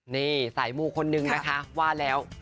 นี่สายมูคนนึงนะคะว่าแล้ว